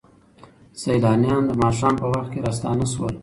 سیلانیان د ماښام په وخت کې راستانه شول.